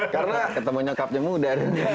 karena ketemu nyangkapnya muda